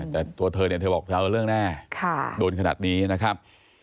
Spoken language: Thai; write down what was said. แต่ตัวเธอเนี่ยเธอบอกเธอเอาเรื่องแน่โดนขนาดนี้นะครับ